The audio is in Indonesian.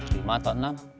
lima atau enam